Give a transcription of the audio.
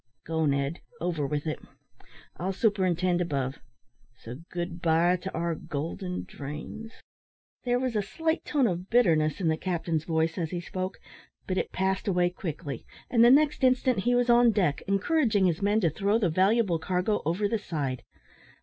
"Go, Ned, over with it. I'll superintend above; so good bye to our golden dreams." There was a slight tone of bitterness in the captain's voice as he spoke, but it passed away quickly, and the next instant he was on deck encouraging his men to throw the valuable cargo over the side.